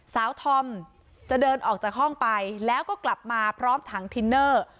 ธอมจะเดินออกจากห้องไปแล้วก็กลับมาพร้อมถังทินเนอร์